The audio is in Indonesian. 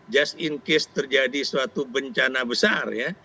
just in case terjadi suatu bencana besar ya